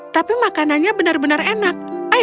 tapi makanannya enak